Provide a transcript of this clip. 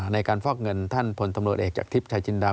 ฟอกเงินท่านพลตำรวจเอกจากทิพย์ชายจินดา